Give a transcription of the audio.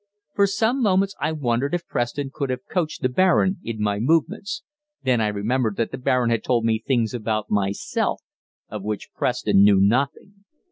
For some moments I wondered if Preston could have coached the Baron in my movements; then I remembered that the Baron had told me things about myself of which Preston knew nothing.